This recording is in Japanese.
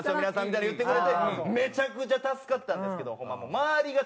皆さん」みたいに言ってくれてめちゃくちゃ助かったんですけど。